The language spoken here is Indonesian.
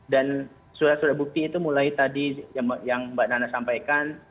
dan surat surat bukti itu mulai tadi yang mbak nana sampaikan